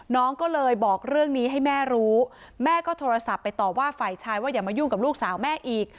น้องก็เลยบอกเรื่องนี้ให้แม่รู้แม่ก็โทรศัพท์ไปต่อว่าฝ่ายชายว่าอย่ามายุ่งกับลูกสาวแม่อีก